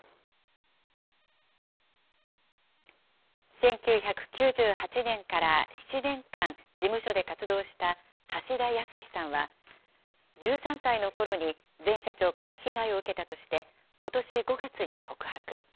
１９９８年から７年間、事務所で活動した橋田康さんは、１３歳のころに前社長から被害を受けたとして、ことし５月に告白。